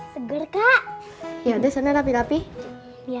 jangan lupa like share dan subscribe ya